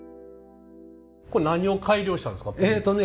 これ何を改良したんですか？